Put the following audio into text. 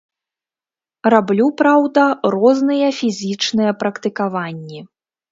Раблю, праўда, розныя фізічныя практыкаванні.